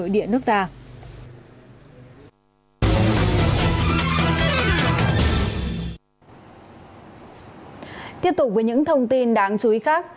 tiếp tục với những thông tin đáng chú ý khác